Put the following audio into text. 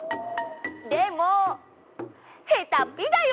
でもへたっぴだよね？